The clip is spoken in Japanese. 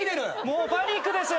もうパニックです。